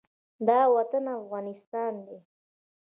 دا وطن افغانستان دی